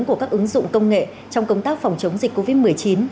của các ứng dụng công nghệ trong công tác phòng chống dịch covid một mươi chín